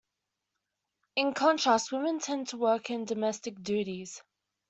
In contrast, women tend to work in domestic duties.